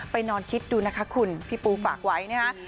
นอนคิดดูนะคะคุณพี่ปูฝากไว้นะคะ